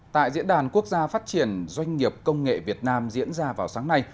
tại diễn đàn quốc gia phát triển doanh nghiệp công nghệ việt nam diễn ra vào sáng nay